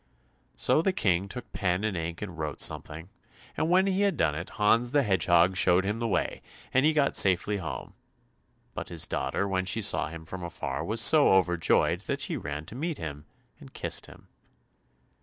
So the King took pen and ink and wrote something, and when he had done it, Hans the Hedgehog showed him the way, and he got safely home. But his daughter, when she saw him from afar, was so overjoyed that she ran to meet him, and kissed him.